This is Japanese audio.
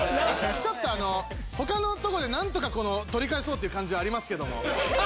ちょっと他のとこでなんとかこの取り返そうっていう感じはありますけども。